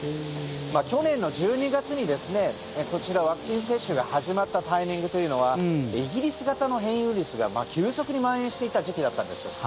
去年の１２月にこちらワクチン接種が始まったタイミングというのはイギリス型の変異ウイルスが急速にまん延していた時期だったんです。